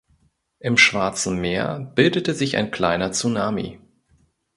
Im Schwarzen Meer bildete sich ein kleiner Tsunami.